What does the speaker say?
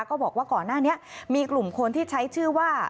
ก็บอกว่าก่อนหน้านี้มีกลุ่มคนที่ใช้ชื่อว่า